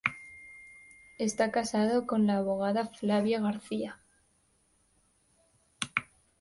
Está casado con la abogada Flavia García.